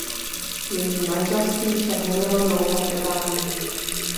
Její manželství však nemělo dlouhé trvání.